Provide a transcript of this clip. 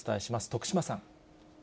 徳島さん。